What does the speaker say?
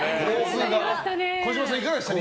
児嶋さん、いかがでしたか？